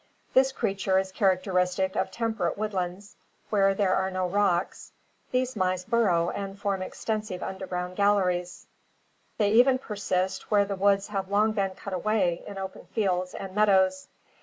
This creature is characteris tic of temperate woodlands. Where there are no rocks, these mice burrow and form extensive underground galleries; they even persist where the woods have long been cut away in open fields and meadows.